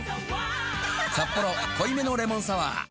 「サッポロ濃いめのレモンサワー」